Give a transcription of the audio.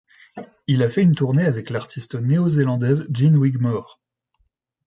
Il a fait une tournée avec l'artiste néo-zélandaise Gin Wigmore.